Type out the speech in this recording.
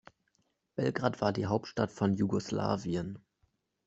Belgrad war die Hauptstadt von Jugoslawien.